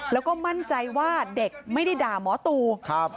แล้วก็มั่นใจว่าเด็กไม่ได้ด่าหมอตูครับ